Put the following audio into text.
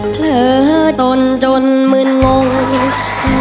เผลอตัวเผลอ